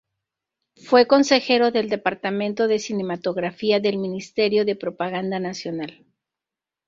Fue consejero del Departamento de Cinematografía del Ministerio de Propaganda Nacional.